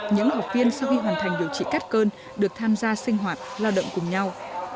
những học viên sau khi hoàn thành điều trị cát cơn được tham gia sinh hoạt lao động cùng nhau